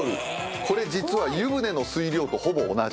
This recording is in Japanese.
これ実は湯船の水量とほぼ同じ。